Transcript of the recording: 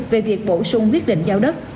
về việc bổ sung quyết định giao đất